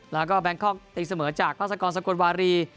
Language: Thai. แล้วก็แบงคล็อกติดเสมอจากพระศักรณ์สะกดวารี